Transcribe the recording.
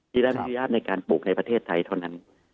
ที่ได้อนุญาตในการปลูกในประเทศไทยเท่านั้น